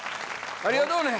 ありがとうね！